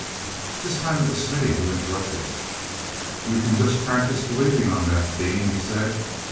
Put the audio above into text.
This time it was Smithy who interrupted. "You can just practise believing on that, Dean," he said.